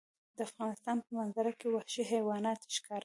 د افغانستان په منظره کې وحشي حیوانات ښکاره ده.